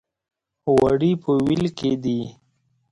غوړي په وېل کې دي.